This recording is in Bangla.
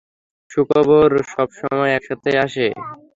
সুখবর সবসময় একসাথেই আসে!